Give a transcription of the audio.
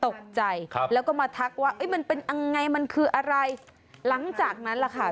ตกใจครับแล้วก็มาทักว่าเอ้ยมันเป็นยังไงมันคืออะไรหลังจากนั้นล่ะค่ะ